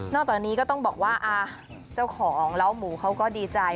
จากนี้ก็ต้องบอกว่าเจ้าของแล้วหมูเขาก็ดีใจ